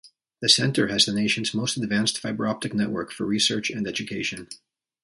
The center has the nation's most advanced fiber-optic network for research and education.